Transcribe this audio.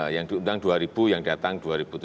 yang diundang dua yang datang dua tujuh ratus